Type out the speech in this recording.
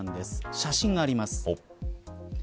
写真があります。